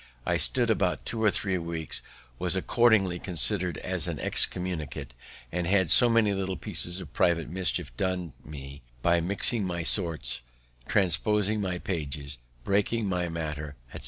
I stood out two or three weeks, was accordingly considered as an excommunicate, and had so many little pieces of private mischief done me, by mixing my sorts, transposing my pages, breaking my matter, etc.